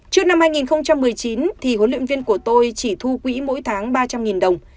trước năm hai nghìn một mươi chín huấn luyện viên của tôi chỉ thu quỹ mỗi tháng ba trăm linh đồng